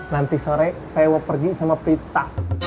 nanti sore saya mau pergi sama pita